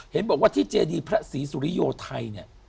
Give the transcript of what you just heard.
เห็นบอกว่าที่เจดีพระศรีสุริโยไทยเนี่ย